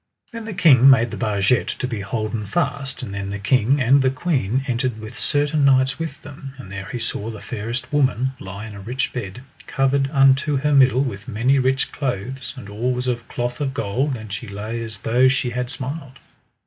Then the king made the barget to be holden fast, and then the king and the queen entered with certain knights with them; and there he saw the fairest woman lie in a rich bed, covered unto her middle with many rich clothes, and all was of cloth of gold, and she lay as though she had smiled.